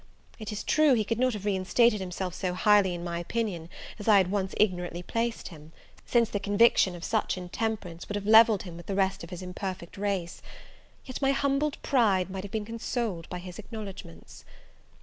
It is true, he could not have reinstated himself so highly in my opinion as I had once ignorantly placed him, since the conviction of such intemperance would have levelled him with the rest of his imperfect race; yet my humbled pride might have been consoled by his acknowledgments.